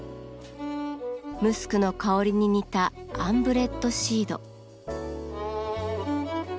ムスクの香りに似たアンブレットシード。